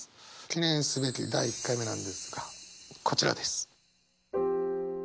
記念すべき第１回目なんですがこちらです。